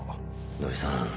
土井さん